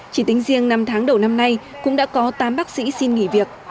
chỉ tính riêng năm tháng đầu năm nay cũng đã có tám bác sĩ xin nghỉ việc